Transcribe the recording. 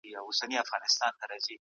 ایا افغان سوداګر کاغذي بادام پروسس کوي؟